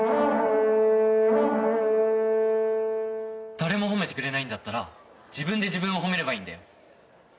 誰も褒めてくれないんだったら自分で自分を褒めればいいんだよ！